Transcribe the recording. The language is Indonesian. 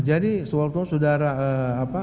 jadi sewaktu itu sudara apa